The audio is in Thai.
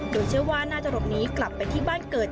เดี๋ยวเชื้อว่าน่าจะรอบนี้กลับไปที่บ้านเกิด